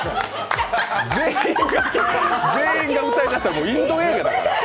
全員が歌い出したらインド映画だから。